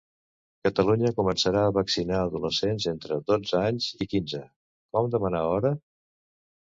Catalunya començarà a vaccinar adolescents entre dotze anys i quinze: com demanar hora?